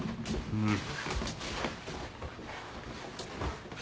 うん。